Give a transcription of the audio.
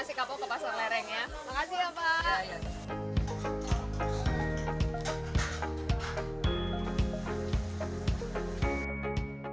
masak lereng lohs lambung